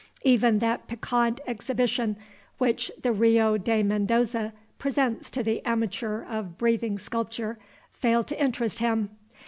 Even that piquant exhibition which the Rio de Mendoza presents to the amateur of breathing sculpture failed to interest him.